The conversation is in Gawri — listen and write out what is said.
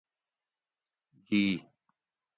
جی